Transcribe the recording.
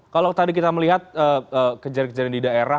kalau tadi kita melihat kejar kejaran di daerah